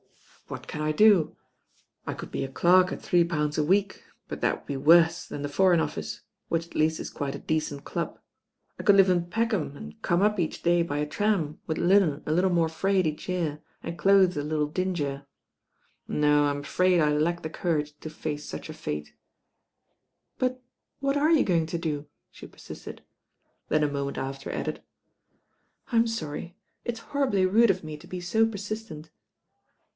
'* "What can I do? I could be a cleric at three THE THIRTY NINE ARTICLES 177 VZfLnT^' 5V* '.^°"*^^ ^o"« than the Joreigi Office, which tt least it quite a decent dub. I could live in Peckham and come up each day by a tram, with hnen a little more frayed each year, and clothe, a little dingier. No. Tm afraid I lack the courage to face such a fate." "But what are you going to do?" the per«i«tcd: then a moment after added. "I'm .orry, it'i horribly rude of me to be so persistent."